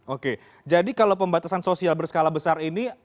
oke jadi kalau pembatasan sosial berskala besar ini